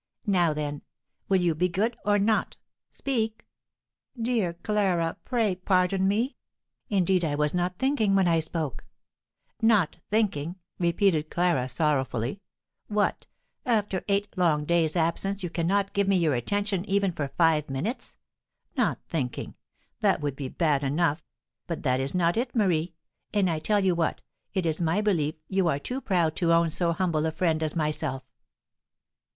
Now then, will you be good or not? Speak!" "Dear Clara, pray pardon me! Indeed, I was not thinking when I spoke." "Not thinking!" repeated Clara, sorrowfully. "What, after eight long days' absence you cannot give me your attention even for five minutes? Not thinking! That would be bad enough; but that is not it, Marie. And I tell you what, it is my belief you are too proud to own so humble a friend as myself."